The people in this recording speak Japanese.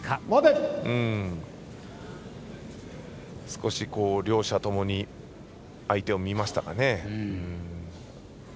少し両者ともに相手を見ましたかね。